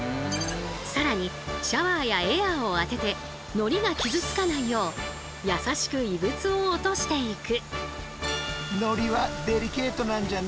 更にシャワーやエアーを当てて海苔が傷つかないよう優しく異物を落としていく。